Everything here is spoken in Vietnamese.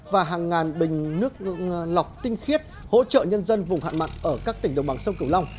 và hàng ngàn bình nước lọc tinh khiết hỗ trợ nhân dân vùng hạn mặn ở các tỉnh đồng bằng sông cửu long